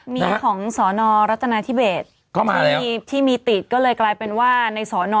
มีของศนรัตนาธิเบศที่มีติดก็เลยกลายเป็นว่าในศน